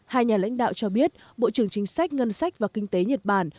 hai nhà lãnh đạo cho biết bộ trưởng chính sách ngân sách và kinh tế nhật bản